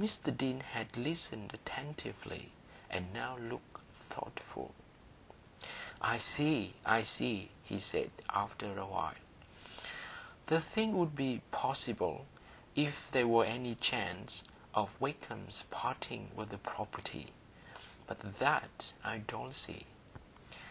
Mr Deane had listened attentively, and now looked thoughtful. "I see, I see," he said, after a while; "the thing would be possible if there were any chance of Wakem's parting with the property. But that I don't see.